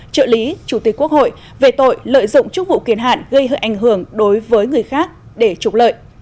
trợ lý chủ tịch quốc hội về tội lợi dụng chức vụ kiền hạn gây hợp ảnh hưởng đối với người khác để trục lợi